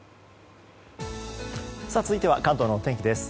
続いては関東のお天気です。